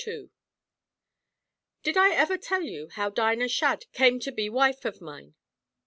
II "Did I ever tell you how Dinah Shadd came to be wife av mine?"